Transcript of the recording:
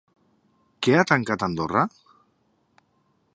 Què ha tancat Andorra?